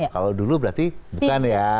kalau dulu berarti bukan ya